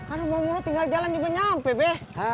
aduh bang muro tinggal jalan juga nyampe be